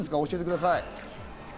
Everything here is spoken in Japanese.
教えてください。